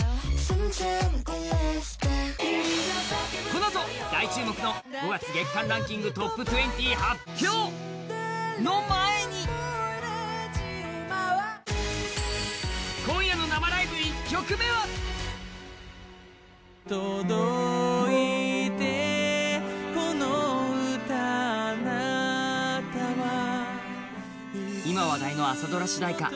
このあと、大注目の５月月間ランキングトップ２０を発表の前に今夜の生ライブ、１曲目は今話題の朝ドラ主題歌